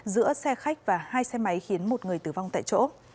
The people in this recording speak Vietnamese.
giữa xe khách và hai xe máy khiến một người tử vong tại chỗ